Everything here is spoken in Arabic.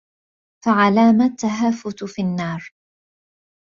فَعَلَامَ التَّهَافُتُ فِي النَّارِ